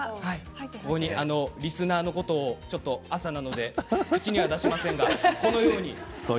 リスナーの方を、朝なので口には出しませんが、このように。